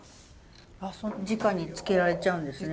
じかにつけられちゃうんですね。